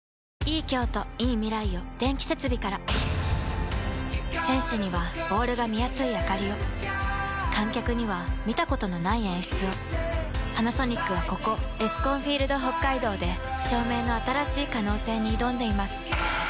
「ＧＯＬＤ」も選手にはボールが見やすいあかりを観客には見たことのない演出をパナソニックはここエスコンフィールドＨＯＫＫＡＩＤＯで照明の新しい可能性に挑んでいます